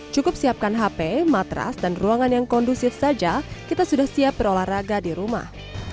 cukup siapkan hp matras dan ruangan yang kondusif saja kita sudah siap berolahraga di rumah